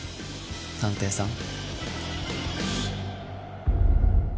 探偵さん。